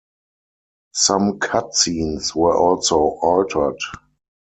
Some cutscenes were also altered.